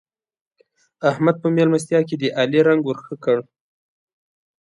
احمد په مېلمستيا کې د علي رنګ ور ښه کړ.